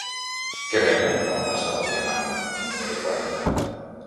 Què venen a la plaça del Diamant número quaranta?